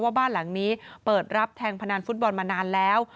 บ้านหลังนี้เปิดรับแทงพนันฟุตบอลมานานแล้ว